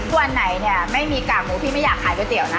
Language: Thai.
วันไหนเนี่ยไม่มีกากหมูพี่ไม่อยากขายก๋วยเตี๋ยวนะ